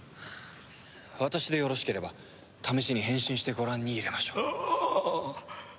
私でよろしければ試しに変身してご覧に入れましょう。